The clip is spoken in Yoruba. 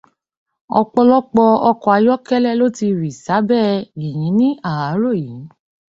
Ọ̀pọ̀lọ̀pọ̀ ọkọ̀ ayókẹ́lẹ́ ló ti rì sàbẹ̀ yìnyín ní àárọ̀ yìí.